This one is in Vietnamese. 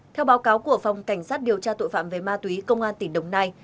theo báo cáo của phòng cảnh sát điều tra tội phạm về ma túy công an tỉnh đồng nai